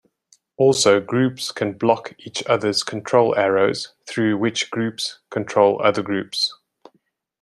Also, groups can "block" each other's control arrows, through which groups control other groups.